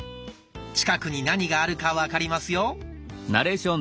近くに何があるか分かりますよ。